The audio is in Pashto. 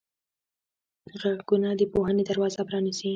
غوږونه د پوهې دروازه پرانیزي